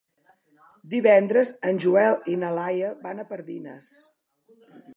Divendres en Joel i na Laia van a Pardines.